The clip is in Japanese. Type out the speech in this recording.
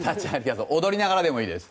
踊りながらもいいです。